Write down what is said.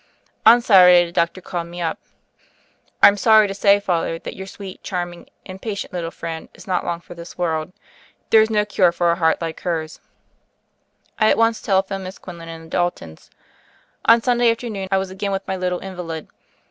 On Saturday the doctor called me up. "I'm sorry to say. Father, that your sweet, charming, and patient little friend is not long THE FAIRY OF THE SNOWS 105 for this world. There^s no cure for a heart like hers.'* I at once telephoned Miss Quinlan and the Daltons. On Sunday afternoon I was again with my little invalid.